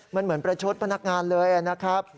มันเหมือนประชดพนักงานเลยนะครับ